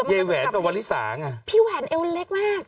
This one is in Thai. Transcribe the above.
พี่แหวนเอวเล็กมาก